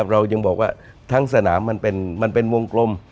เรายังบอกว่าทั้งสนามมันเป็นวงกลม